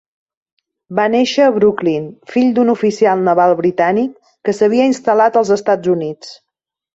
Va néixer a Brooklyn fill d’un oficial naval britànic que s’havia instal·lat als Estats Units.